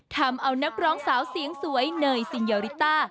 ทำเอานักร้องสาวเสียงสวยเนยซินยาริต้า